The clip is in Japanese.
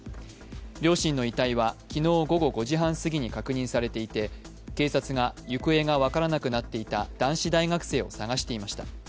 両親の遺体は昨日午後５時半すぎに確認されていて警察が行方が分からなくなっていた男子大学生を捜していました。